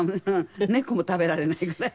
猫も食べられないぐらいに。